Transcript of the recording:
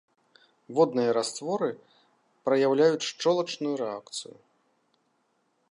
Водныя растворы праяўляюць шчолачную рэакцыю.